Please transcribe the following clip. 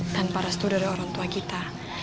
dan paras itu dari orang tua kita